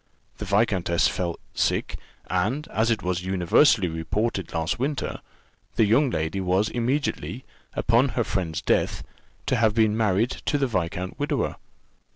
The viscountess fell sick, and, as it was universally reported last winter, the young lady was immediately, upon her friend's death, to have been married to the viscount widower.